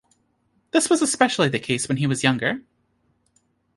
This was especially the case when he was younger.